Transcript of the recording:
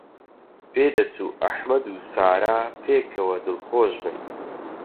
پێدەچوو ئەحمەد و سارا پێکەوە دڵخۆش بن.